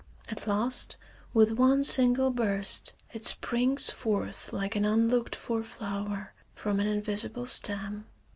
At last, with one single burst, it springs forth like an unlooked for flower from an invisible stem.